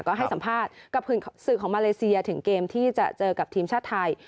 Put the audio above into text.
ก็ให้สัมภาษณ์กับสื่อของมาเลเซียถึงเกมที่จะเจอกับทีมชาติไทย